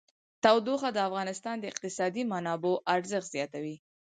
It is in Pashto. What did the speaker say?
تودوخه د افغانستان د اقتصادي منابعو ارزښت زیاتوي.